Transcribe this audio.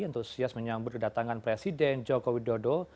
entusias menyambut kedatangan presiden jokowi dodo